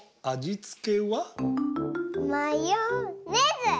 マヨネーズ！